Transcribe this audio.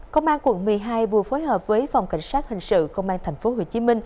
công an quận một mươi hai vừa phối hợp với phòng cảnh sát hình sự công an tp hcm